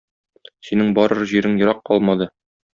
Синең барыр җирең ерак калмады.